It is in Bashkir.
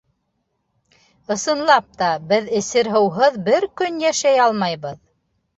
Ысынлап та, беҙ эсер һыуһыҙ бер көн йәшәй алмайбыҙ.